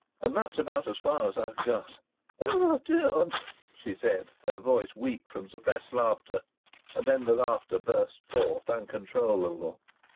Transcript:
"And that's about as far as I've got." "Oh, don't!" she said, her voice weak from suppressed laughter, and then the laughter burst forth uncontrollable.